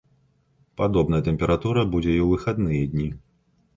Падобная тэмпература будзе і ў выхадныя дні.